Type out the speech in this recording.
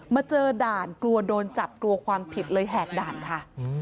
มาเจอด่านกลัวโดนจับกลัวความผิดเลยแหกด่านค่ะ